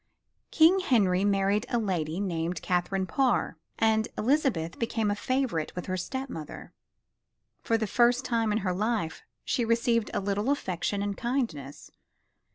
King Henry married a lady named Catherine Parr and Elizabeth became a favorite with her step mother. For the first time in her life she received a little affection and kindness.